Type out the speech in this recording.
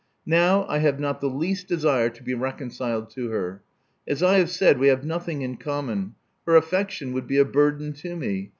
Now I have not the least desire to be reconciled to her. As I have said, we have nothing in common: her aflEection would be a burden to me.